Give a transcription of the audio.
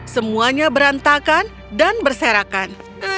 semuanya berantakan dan berserakan